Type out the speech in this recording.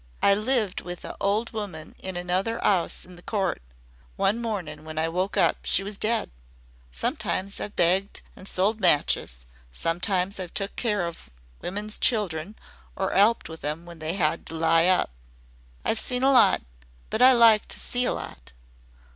I lived with a old woman in another 'ouse in the court. One mornin' when I woke up she was dead. Sometimes I've begged an' sold matches. Sometimes I've took care of women's children or 'elped 'em when they 'ad to lie up. I've seen a lot but I like to see a lot.